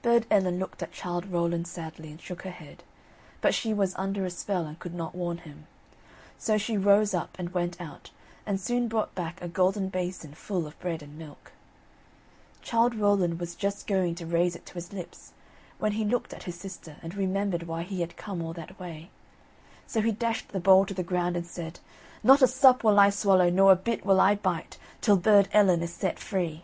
Burd Ellen looked at Childe Rowland sadly, and shook her head, but she was under a spell, and could not warn him. So she rose up, and went out, and soon brought back a golden basin full of bread and milk. Childe Rowland was just going to raise it to his lips, when he looked at his sister and remembered why he had come all that way. So he dashed the bowl to the ground, and said: "Not a sup will I swallow, nor a bit will I bite, till Burd Ellen is set free."